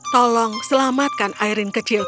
tolong selamatkan aireen kecilku